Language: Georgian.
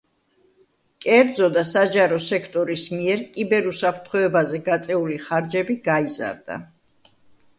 კერძო და საჯარო სექტორის მიერ კიბერ-უსაფრთხოებაზე გაწეული ხარჯები გაიზარდა.